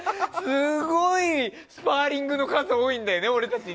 すごいスパーリングの数多いんだよね、俺たち。